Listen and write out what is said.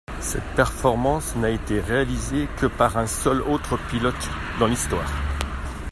Cette performance n'a été réalisée que par un seul autre pilote dans l'histoire.